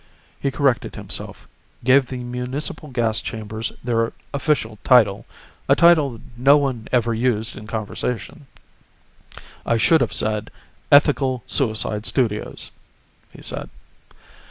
He corrected himself, gave the municipal gas chambers their official title, a title no one ever used in conversation. "I should have said, 'Ethical Suicide Studios,'" he said.